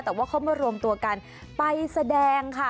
แต่ว่าเขามารวมตัวกันไปแสดงค่ะ